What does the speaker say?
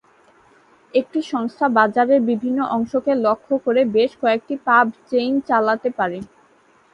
একটি সংস্থা বাজারের বিভিন্ন অংশকে লক্ষ্য করে বেশ কয়েকটি পাব চেইন চালাতে পারে।